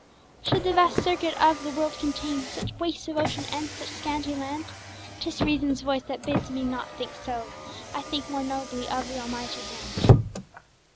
Should the vast circuit of the world contain Such wastes of ocean, and such scanty land? 'Tis reason's voice that bids me think not so, I think more nobly of the Almighty hand.